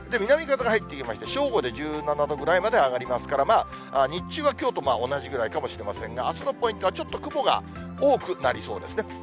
南風が入ってきまして、正午で１７度ぐらいまで上がりますから、日中はきょうと同じぐらいかもしれませんが、あすのポイントは、ちょっと雲が多くなりそうですね。